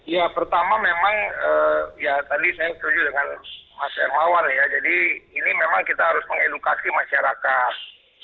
ya pertama memang ya tadi saya setuju dengan mas hermawan ya jadi ini memang kita harus mengedukasi masyarakat